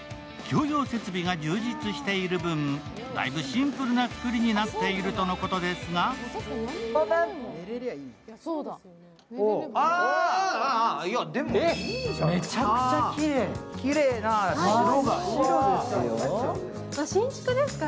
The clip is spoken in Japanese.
共用設備が充実している分だいぶシンプルな作りになっているとのことですがめちゃくちゃきれい、白いですよ。